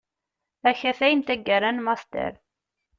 Akatay n taggara n Master.